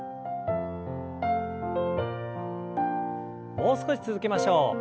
もう少し続けましょう。